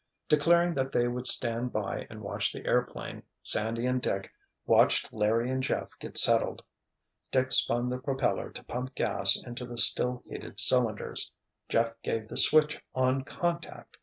Declaring that they would stand by and watch the airplane, Sandy and Dick watched Larry and Jeff get settled, Dick spun the propeller to pump gas into the still heated cylinders, Jeff gave the "switch on—contact!"